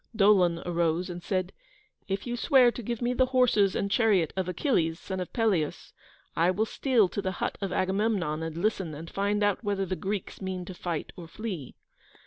Dolon arose and said, "If you will swear to give me the horses and chariot of Achilles, son of Peleus, I will steal to the hut of Agamemnon and listen and find out whether the Greeks mean to fight or flee."